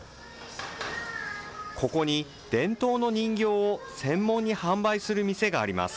ここに、伝統の人形を専門に販売する店があります。